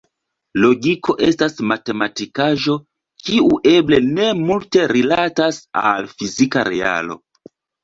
Logiko estas matematikaĵo, kiu eble ne multe rilatas al fizika realo.